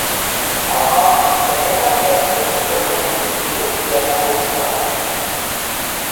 El còmic també parteix de nombroses mitologies i èpoques històriques.